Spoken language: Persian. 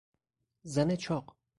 زن چاق